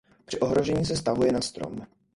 Při ohrožení se stahuje na strom.